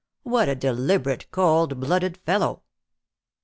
" What a deliberate, cold blooded fellow